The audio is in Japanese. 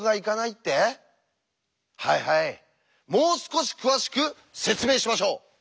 はいはいもう少し詳しく説明しましょう。